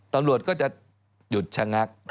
ตำรวจก็จะหยุดชะงัก